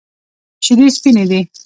شیدې سپینې دي.